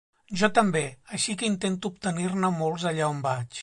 Jo també, així que intento obtenir-ne molts allà on vaig.